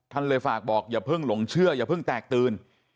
เลยฝากบอกอย่าเพิ่งหลงเชื่ออย่าเพิ่งแตกตื่น